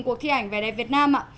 cuộc thi ảnh về đẹp việt nam ạ